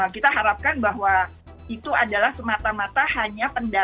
kita harapkan bahwa itu adalah semata mata hanya pendataan jumlah yang nantinya akan dihapus